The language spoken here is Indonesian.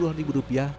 harga jualnya bervariasi